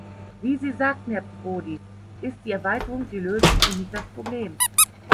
Wie Sie sagten, Herr Prodi, ist die Erweiterung die Lösung und nicht das Problem.